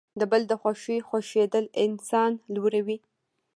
د بل د خوښۍ خوښیدل انسان لوړوي.